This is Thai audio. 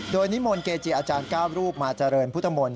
โดยนิมงศ์เกรจียะอาจารย์ก้าวรูปมาเจริญพุทธมนต์